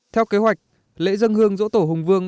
theo kế hoạch lễ dân hương dỗ tổ hùng vương